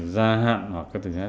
gia hạn hoặc các thứ khác